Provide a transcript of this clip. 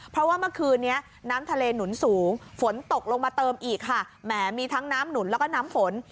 เพราะว่าเมื่อคืนนี้น้ำทะเลหนุนสูงฝนตกลงมาเติมอีกค่ะแหมมีทั้งน้ำหนุนแล้วก็น้ำฝน